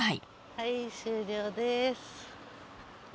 はい終了です。